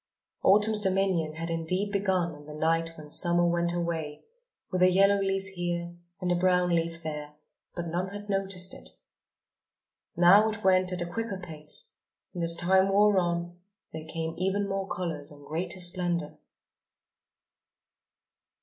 Autumn's dominion had indeed begun on the night when Summer went away, with a yellow leaf here and a brown leaf there, but none had noticed it. Now it went at a quicker pace; and as time wore on, there came even more colours and greater splendour.